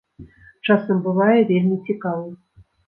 Часам бывае вельмі цікава!